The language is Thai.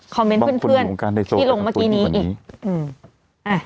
เมนต์เพื่อนที่ลงเมื่อกี้นี้อีก